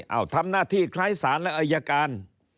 เอาทำหน้าที่คล้ายศาลและอายการ